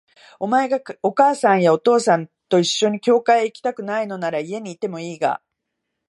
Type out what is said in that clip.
お前がお母さんやお父さんと一緒に教会へ行きたくないのなら、家にいてもいいが、